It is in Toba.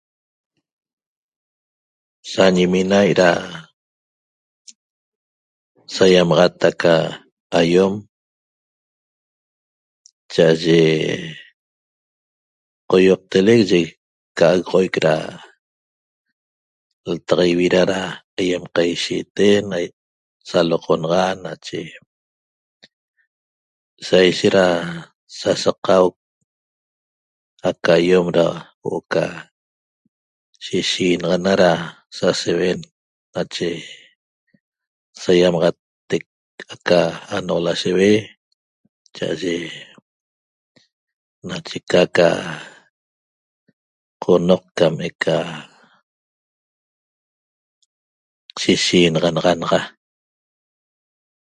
Sañimina' ra saiamaxat aca aiom cha'aye qoioqtelec ye ca'agoxoic ra ltaxa ivira ra aiem qaishiten saloqnaxan nache saishet da sasaqau aca aiom da huo'o ca sishenaxana ra saseuen nache saiamaxattec aca anoq lasheue cha'aye nache ca ca qonoq cam eca sishinaxana naxa